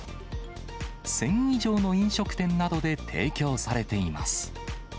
１０００以上の飲食店などで提供されています。